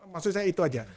maksud saya itu aja